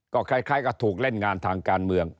ก็คล้ายกับถูกเล่นงานทางการเมือง